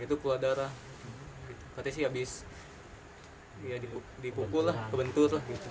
itu keluar darah katanya sih habis dipukul lah kebentur lah gitu